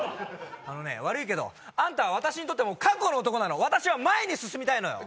あのね悪いけどあんたは私にとってもう過去の男なの私は前に進みたいのよ